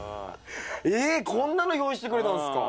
えこんなの用意してくれたんですか。